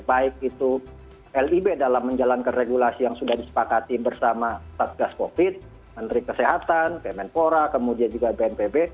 baik itu lib dalam menjalankan regulasi yang sudah disepakati bersama satgas covid menteri kesehatan kemenpora kemudian juga bnpb